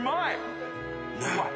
うまい。